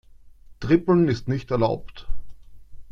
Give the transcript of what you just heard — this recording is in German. Dribbeln ist nicht erlaubt.